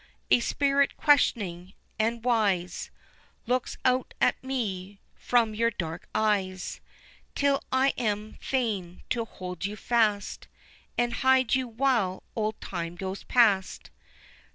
A spirit questioning, and wise Looks out at me from your dark eyes, Till I am fain to hold you fast And hide you while old Time goes past.